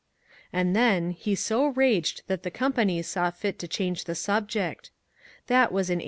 " And then he so raged that the company saw fit to change the subject. That was in 1866.